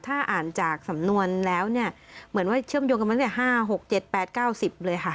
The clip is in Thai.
ถ้าอ่านจากสำนวนแล้วเนี่ยเหมือนว่าเชื่อมโยงกันมาตั้งแต่ห้าหกเจ็ดแปดเก้าสิบเลยค่ะ